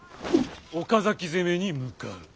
岡崎攻めに向かう。